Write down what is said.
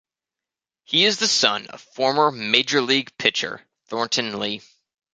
He is the son of former major league pitcher Thornton Lee.